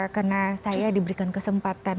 karena saya diberikan kesempatan